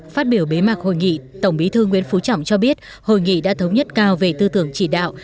phát biểu bế mạc hội nghị tổng bí thư nguyễn phú trọng cho biết hội nghị đã thống nhất cao về tư tưởng chỉ đạo